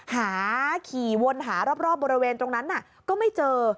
หาขี่วนหารอบบริเวณตรงนั้นก็ไม่เจอ